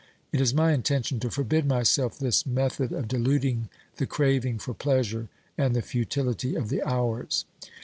It is my intention to forbid myself this method of deluding the craving for pleasure and the futility of the hours.